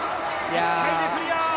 １回でクリア。